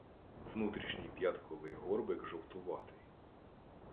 Внутрішній п'ятковий горбик жовтуватий.